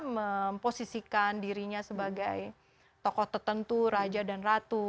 memposisikan dirinya sebagai tokoh tertentu raja dan ratu